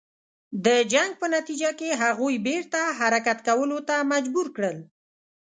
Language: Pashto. د جنګ په نتیجه کې هغوی بیرته حرکت کولو ته مجبور کړل.